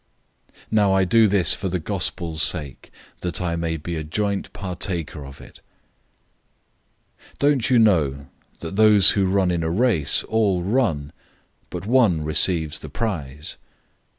009:023 Now I do this for the sake of the Good News, that I may be a joint partaker of it. 009:024 Don't you know that those who run in a race all run, but one receives the prize?